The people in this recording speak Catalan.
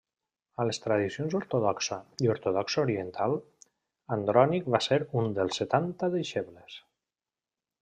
A les tradicions ortodoxa i ortodoxa oriental, Andrònic va ser un dels Setanta deixebles.